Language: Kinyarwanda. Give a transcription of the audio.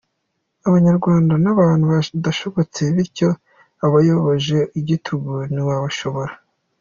Abanyarwanda n’abantu badashobotse bityo utabayoboje igitugu ntiwabashobora